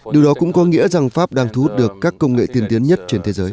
điều đó cũng có nghĩa rằng pháp đang thu hút được các công nghệ tiên tiến nhất trên thế giới